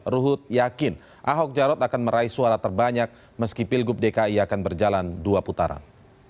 ruhut yakin ahok jarot akan meraih suara terbanyak meski pilgub dki akan berjalan dua putaran